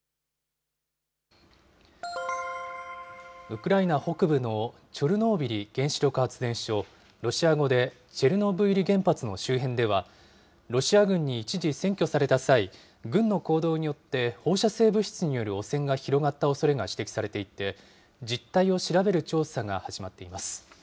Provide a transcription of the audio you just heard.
ウクライナ北部のチョルノービリ原子力発電所、ロシア語でチェルノブイリ原発の周辺では、ロシア軍に一時占拠された際、軍の行動によって放射性物質による汚染が広がったおそれが指摘されていて、実態を調べる調査が始まっています。